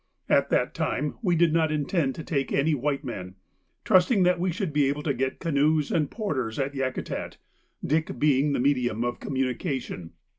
At that time we did not intend to take any white men, trusting that we should be able to get canoes and porters at Yakutat, Dick being the medium of communication.